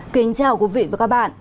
kính chào quý vị và các bạn